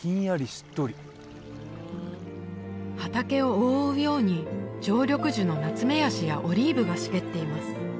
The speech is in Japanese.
しっとり畑を覆うように常緑樹のナツメヤシやオリーブが茂っています